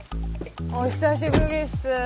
お久しぶりっす。